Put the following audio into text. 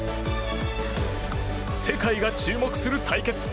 世界が注目する対決。